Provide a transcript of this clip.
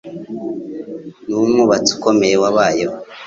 Ni umwubatsi ukomeye wabayeho.